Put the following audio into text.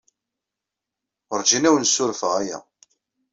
Werǧin ad awen-ssurfeɣ aya.